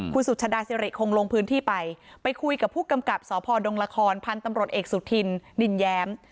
คุณสุชาดาสิริคงลงพื้นที่ไปไปคุยกับผู้กำกับสพดงละครพันธุ์ตำรวจเอกสุธินนินแย้ม